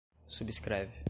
subscreve